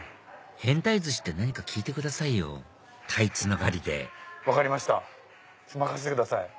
変タイ鮨って何か聞いてくださいよ「たい」つながりで分かりました任せてください。